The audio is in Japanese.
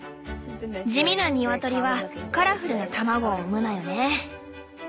地味なニワトリはカラフルな卵を産むのよね。